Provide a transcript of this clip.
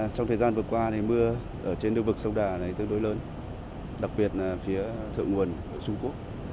trong thời gian vừa qua mưa ở trên nước vực sông đà tương đối lớn đặc biệt là phía thượng nguồn trung quốc